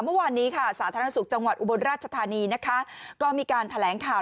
เมื่อวานนี้ค่ะสาธารณสุขจังหวัดอุบลราชธานีนะคะก็มีการแถลงข่าว